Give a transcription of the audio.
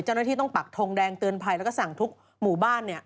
เจ้าหน้าที่ต้องปักทงแดงเตือนภัยแล้วก็สั่งทุกหมู่บ้าน